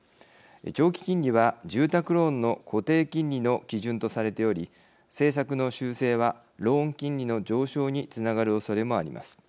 長期金利は住宅ローンの固定金利の基準とされており政策の修正はローン金利の上昇につながるおそれもあります。